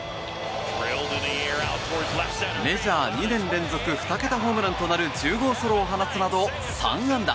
メジャー２年連続２桁ホームランとなる１０号ソロを放つなど３安打。